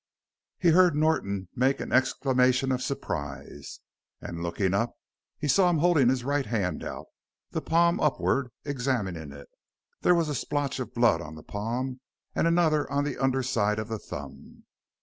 He heard Norton make an exclamation of surprise, and looking up he saw him holding his right hand out, the palm upward, examining it. There was a splotch of blood on the palm and another on the under side of the thumb.